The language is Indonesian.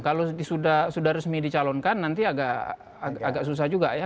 kalau sudah resmi dicalonkan nanti agak susah juga ya